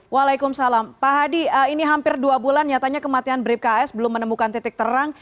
waalaikumsalam pak hadi ini hampir dua bulan nyatanya kematian brip ks belum menemukan titik terang